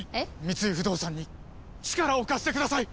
三井不動産に力を貸してください！